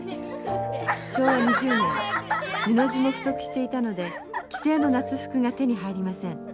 昭和２０年布地も不足していたので既製の夏服が手に入りません。